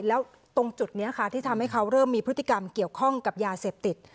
แล้วตรงจุดนี้ค่ะที่ทำให้เขาเริ่มมีพฤติกรรมเกี่ยวข้องกับยาเสพติด